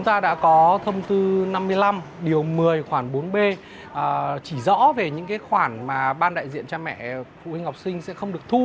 trước khi ban hành